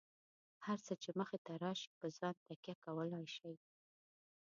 هر څه چې مخې ته راشي، په ځان تکیه کولای شئ.